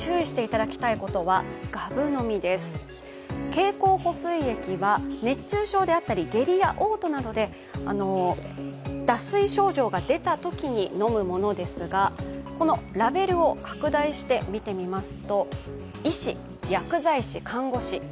経口補水液は熱中症で下痢やおう吐などの脱水症状が出たときに飲むものですがこのラベルを拡大して見てみます。